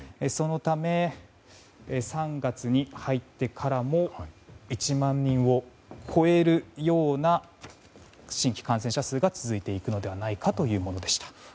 そのため、３月に入ってからも１万人を超えるような新規感染者数が続いていくのではないかというものでした。